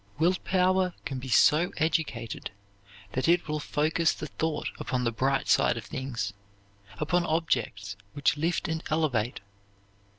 Will power can be so educated that it will focus the thought upon the bright side of things, upon objects which lift and elevate.